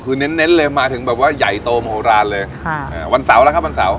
คือเน้นเลยมาถึงแบบว่าใหญ่โตมาโหลดร้านเลยค่ะวันเสาระครับวันเสาร์